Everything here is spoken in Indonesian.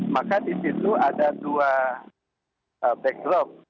maka di situ ada dua background